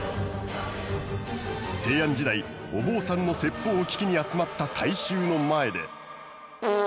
平安時代お坊さんの説法を聞きに集まった大衆の前で。